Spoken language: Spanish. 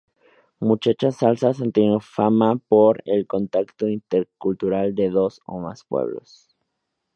Muchas salsas han tenido fama por el contacto intercultural de dos o más pueblos.